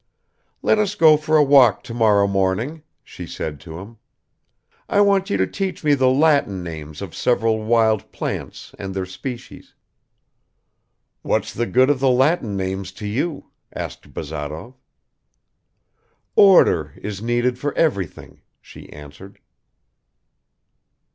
"Let us go for a walk tomorrow morning," she said to him; "I want you to teach me the Latin names of several wild plants and their species." "What's the good of the Latin names to you?" asked Bazarov. "Order is needed for everything," she answered.